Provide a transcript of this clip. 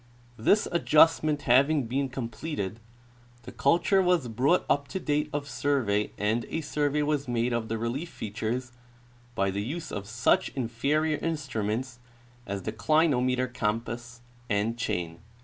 This adjustment having been completed, the culture was brought up to date of survey and a survey was made of the relief features by the use of such inferior instruments as the clinometer compass and chain.